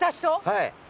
はい。